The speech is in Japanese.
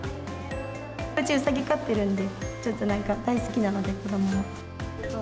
うち、うさぎ飼ってるんで、ちょっとなんか大好きなので、子どもも。